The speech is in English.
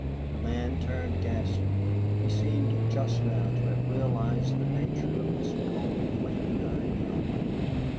The man turned ghastly. He seemed just now to have realized the nature of this gaunt flaming eyed cowboy.